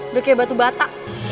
udah kayak batu bata